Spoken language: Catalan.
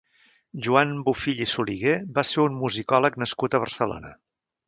Joan Bofill i Soliguer va ser un musicòleg nascut a Barcelona.